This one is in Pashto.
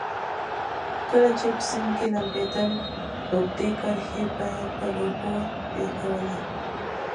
کله چې په سیند کې لمبېدل اوږدې کرښې به یې پر اوبو پرېښوولې.